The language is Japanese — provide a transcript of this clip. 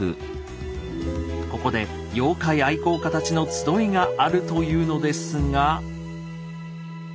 ここで妖怪愛好家たちの集いがあるというのですが。